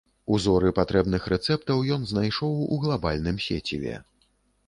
Узоры патрэбных рэцэптаў ён знайшоў у глабальным сеціве.